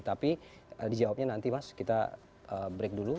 tapi dijawabnya nanti mas kita break dulu